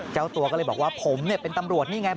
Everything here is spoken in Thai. เจ้าตัวก็เลยบอกว่าผมเป็นตำรวจนี่ไง